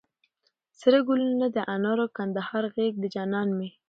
سره ګلونه د انارو، کندهار غېږ د جانان مي